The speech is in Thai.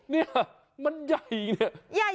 เนี่ยมันใหญ่เนี่ย